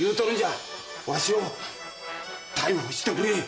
ワシを逮捕してくれ。